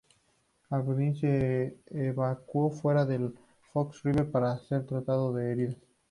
Abruzzi es evacuado fuera de Fox River para ser tratado de sus heridas.